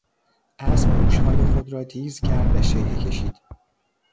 اسب گوشهای خود را تیز کرد و شیهه کشید.